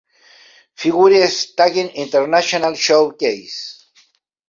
Figure Skating International Showcase.